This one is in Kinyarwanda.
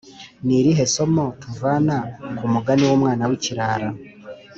Ni irihe somo tuvana kumugani wumwana wikirara